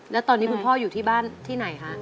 แล้วตอนนี้คุณพ่ออยู่ที่บ้านที่ไหนคะ